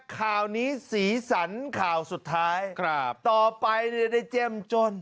ข่าวนี้สีสันข่าวสุดท้ายครับต่อไปจะได้เจ่มจน